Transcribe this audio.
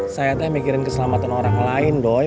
saya teh mikirin keselamatan orang lain doy